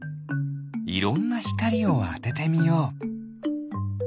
いろんなひかりをあててみよう。